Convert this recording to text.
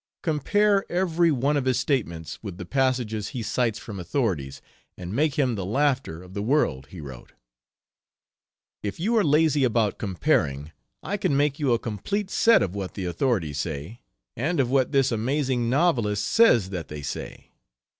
"Compare every one of his statements with the passages he cites from authorities, and make him the laughter of the world" he wrote. "If you are lazy about comparing I can make you a complete set of what the authorities say, and of what this amazing novelist says that they say.